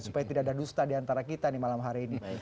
supaya tidak ada dusta diantara kita nih malam hari ini